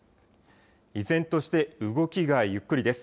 依然として動きがゆっくりです。